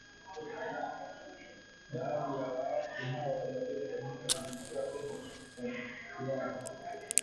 Baadhi ya waasi hao walirudi Jamuhuri ya Kidemokrasia ya Kongo kwa hiari